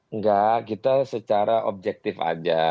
enggak kita secara objektif aja